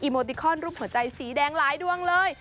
โมติคอนรูปหัวใจสีแดงหลายดวงเลย